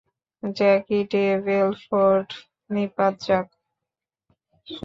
Jackie de Belfort নিপাত যাক!